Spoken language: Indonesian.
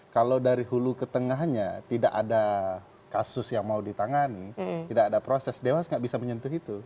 kalau dari hulu ke tengahnya tidak ada kasus yang mau ditangani tidak ada proses dewas nggak bisa menyentuh itu